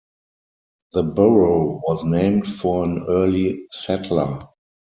The borough was named for an early settler.